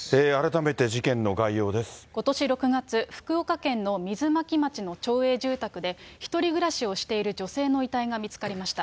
ことし６月、福岡県の水巻町の町営住宅で、１人暮らしをしている女性の遺体が見つかりました。